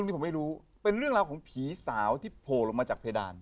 นี่ผมไม่รู้เป็นเรื่องราวของผีสาวที่โผล่ลงมาจากเพดาน